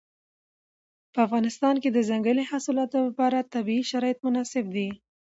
په افغانستان کې د ځنګلي حاصلاتو لپاره طبیعي شرایط مناسب دي.